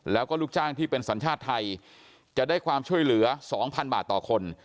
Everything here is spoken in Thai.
แล้วก็ลูกจ้างที่เป็นสัญชาติไทยจะได้ความช่วยเหลือ๒๐๐๐บาทต่อคน